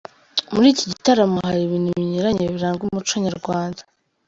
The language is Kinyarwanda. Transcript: Muri iki gitaramo hari ibintu binyuranye biranga umuco nyarwanda.